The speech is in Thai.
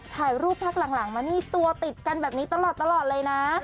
ถ่ายรูปพักหลังมานี่ตัวติดกันแบบนี้ตลอดเลยนะ